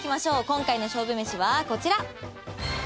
今回の勝負めしはこちら。